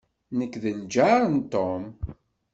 Nekk d ljaṛ n Tom.